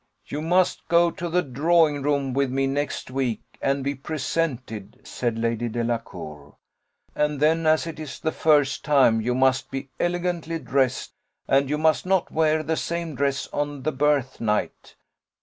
"You must go to the drawing room with me next week, and be presented," said Lady Delacour, "and then, as it is the first time, you must be elegantly dressed, and you must not wear the same dress on the birthnight.